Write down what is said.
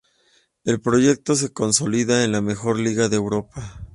El proyecto se consolidaba en la mejor liga de Europa.